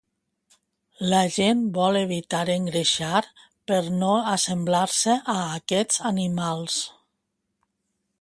La gent vol evitar engreixar per no assemblar-se a aquests animals?